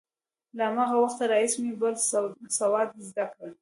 له هماغه وخته راهیسې مې بل سواد زده کړ.